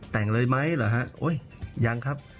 แต่งเลยไหมเหรอฮะโอ๊ยยังครับ